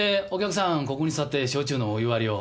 ここに座って焼酎のお湯割りを。